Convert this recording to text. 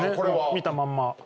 見たまんま。